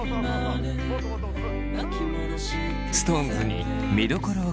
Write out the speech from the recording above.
ＳｉｘＴＯＮＥＳに見どころを聞いてみると。